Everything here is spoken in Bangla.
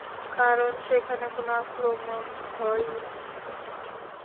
কারণ, সেখানে কোনো আক্রমণ হয়ইনি।